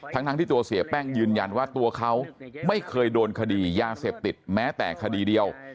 ทั้งที่ตัวเสียแป้งยืนยันว่าตัวเขาไม่เคยโดนคดียาเสพติดแม้แต่คดีเดียว